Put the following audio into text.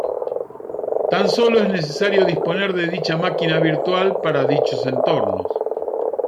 Tan solo es necesario disponer de dicha máquina virtual para dichos entornos.